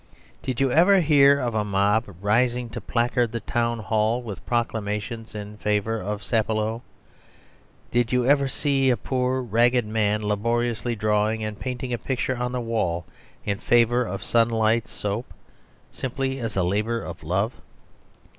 Did you ever hear of a mob rising to placard the Town Hall with proclamations in favour of Sapolio? Did you ever see a poor, ragged man laboriously drawing and painting a picture on the wall in favour of Sunlight Soap simply as a labour of love?